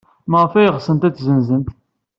Maɣef ay ɣsent ad t-ssenzent?